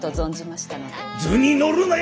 図に乗るなよ